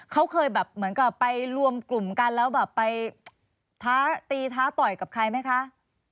เขาเคยแบบเหมือนกับไปรวมกลุ่มกันแล้วแบบไปท้าตีท้าต่อยกับใครไหมคะ